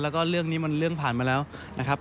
แล้วก็เรื่องนี้มันเรื่องผ่านมาแล้วนะครับ